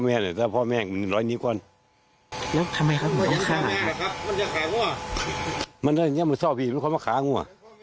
มันได้อย่างนี้มันชอบผิดมันควรมาขายงั่ว